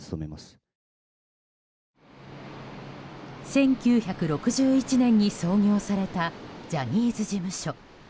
１９６１年に創業されたジャニーズ事務所。